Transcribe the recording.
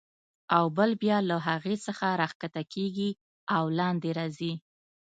او بل بیا له هغې څخه راکښته کېږي او لاندې راځي.